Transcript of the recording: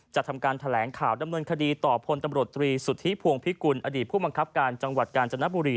ทำการแถลงข่าวดำเนินคดีต่อพลตำรวจตรีสุทธิพวงพิกุลอดีตผู้บังคับการจังหวัดกาญจนบุรี